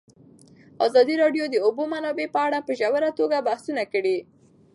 ازادي راډیو د د اوبو منابع په اړه په ژوره توګه بحثونه کړي.